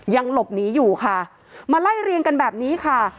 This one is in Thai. ยังหลบหนีอยู่ค่ะมาไล่เรียงกันแบบนี้ค่ะ